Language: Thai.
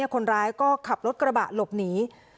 คนร้ายก็ขับรถกระบะหลบหนี